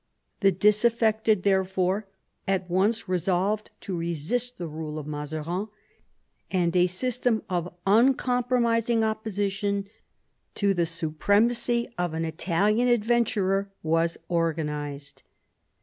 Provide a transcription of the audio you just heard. The disaffected, therefore, at once resolved to resist the rule of Mazarin, and a system of uncompromising opposition to the supremacy of an Italian adventurer was organised.